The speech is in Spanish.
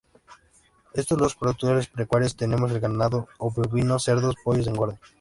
Entre los productos pecuarios tenemos el ganado bovino, cerdos, pollos de engorde.